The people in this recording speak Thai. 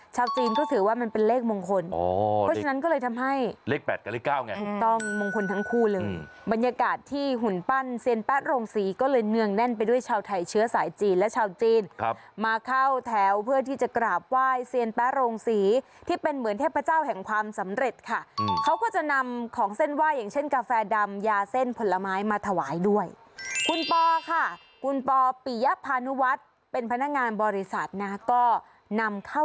ชาวจีนก็ถือว่ามันเป็นเลขมงคลเพราะฉะนั้นก็เลยทำให้เลข๘กับเลข๙ต้องมงคลทั้งคู่เลยบรรยากาศที่หุ่นปั้นเซียนแป๊ดโรงสีก็เลยเนื่องแน่นไปด้วยชาวไทยเชื้อสายจีนและชาวจีนมาเข้าแถวเพื่อที่จะกราบไหว้เซียนแป๊ดโรงสีที่เป็นเหมือนเทพเจ้าแห่งความสำเร็จค่ะเขาก็จะนำของเส้นไหว้อย่างเช่น